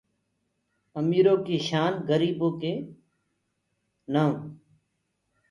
اميرو ڪي شان گريبو ڪي نآئو